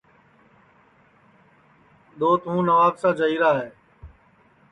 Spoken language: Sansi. دؔوت ہوں نوابشاہ جائیرا ہے